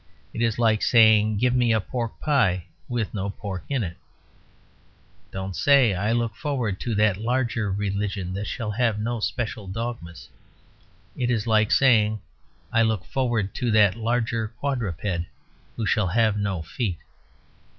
It is like saying, "Give me a pork pie with no pork in it." Don't say, "I look forward to that larger religion that shall have no special dogmas." It is like saying, "I look forward to that larger quadruped who shall have no feet."